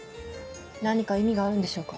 何か意味があるんでしょうか。